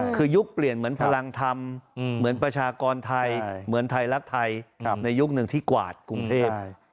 คือยุคเปลี่ยนเหมือนพลังธรรมเหมือนประชากรไทยเหมือนไทยรักไทยในยุคหนึ่งที่กวาดกรุงเทพ